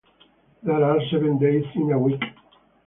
There are seven days in a week.